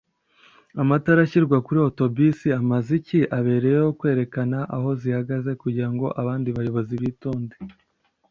amatara ashirwa kuri za auto bus amaze iki ?abereyeho kwerekana aho zihagaze kugirango abandi bayobozi bitonde